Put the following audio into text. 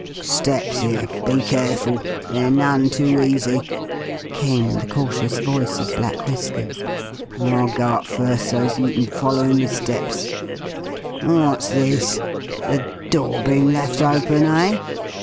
"Steps here; be careful. They're none too easy," came the cautious voice of Black Whiskers. "I'll go up first, so's you kin follow in my steps. What's this? The door been left open, eh?